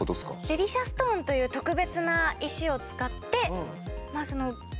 デリシャストーンという特別な石を使ってまあその。